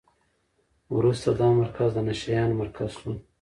وروسته دا مرکز د نشه یانو مرکز شو.